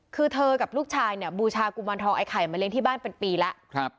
คือเธอกับลูกชายเนี่ยบูชากุมารทองไอ้ไข่มาเลี้ยที่บ้านเป็นปีแล้ว